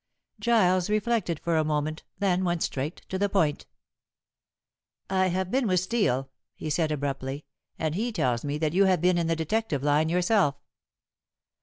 Giles reflected for a moment, then went straight to the point. "I have been with Steel," he said abruptly, "and he tells me that you have been in the detective line yourself."